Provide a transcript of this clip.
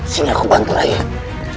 sini aku bantu rabbani